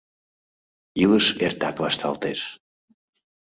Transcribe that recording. Илыш эртак вашталтеш.